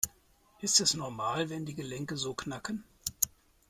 Ist es normal, wenn die Gelenke so knacken?